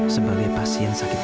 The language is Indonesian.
sebagai pasien sakit jantung